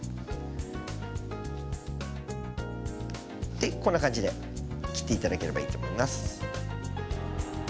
でこんな感じで切って頂ければいいと思います。